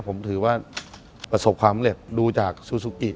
ผมถือว่าประสบความเร็จดูจากซูซูกิ